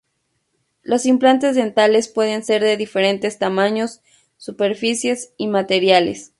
Los implantes dentales pueden ser de diferentes tamaños, superficies y materiales.